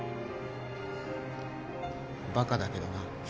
バカだけどな。